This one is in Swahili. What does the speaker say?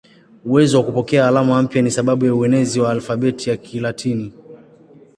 Uwezo wa kupokea alama mpya ni sababu ya uenezi wa alfabeti ya Kilatini.